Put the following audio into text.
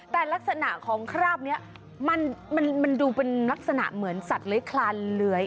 แต่ลักษณะของคราบนี้มันดูเป็นลักษณะเหมือนสัตว์เลื้อยคลานเลื้อย